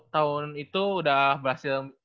tahun itu udah berhasil